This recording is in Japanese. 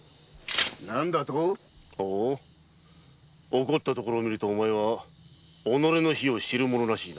何だとほう怒ったところを見るとお前は己の非を知る者らしいな。